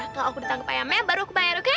kalo aku udah tangkap ayamnya baru aku bayar okay